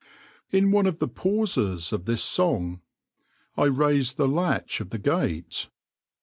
In one of the pauses of this song, I raised the latch of the gate.